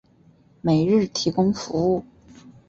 每日提供服务。